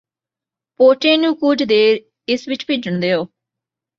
ਪੋਚੇ ਨੂੰ ਕੁਝ ਦੇਰ ਇਸ ਵਿਚ ਭਿੱਜਣ ਦਿਉ